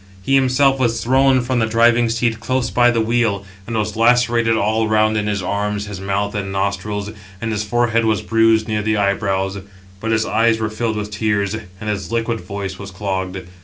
He himself was thrown from the driving seat close by the wheel, and was lacerated all round in his arms, his mouth, and nostrils, and his forehead was bruised near the eyebrows; but his eyes were filled with tears, and his liquid voice was clogged.